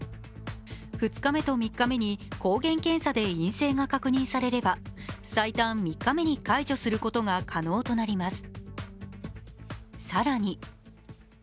２日目と３日目に抗原検査で陰性が確認されれば最短３日目に解除することが可能となります。